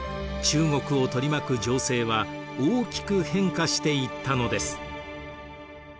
中国を取りまく情勢は大きく変化していったのです。